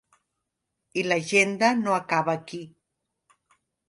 I l’agenda no acaba aquí.